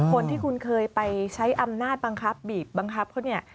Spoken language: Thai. คนที่คุณเคยไปใช้อำนาจบังคับบีบบังคับเขาเนี่ย